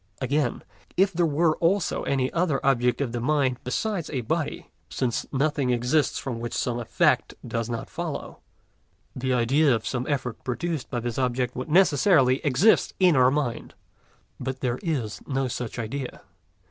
Again, if there were also any other object of the mind besides a body, since nothing exists from which some effect does not follow, the idea of some effort produced by this object would necessarily exist in our mind. But there is no such idea.